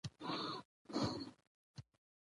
افغانستان د علم کور و.